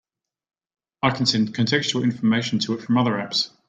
I can send contextual information to it from other apps.